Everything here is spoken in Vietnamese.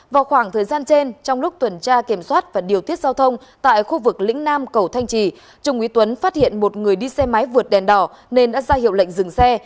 vào khoảng thời gian trên trong lúc tuần tra kiểm soát và điều tiết giao thông tại khu vực lĩnh nam cầu thanh trì trung úy tuấn phát hiện một người đi xe máy vượt đèn đỏ nên đã ra hiệu lệnh dừng xe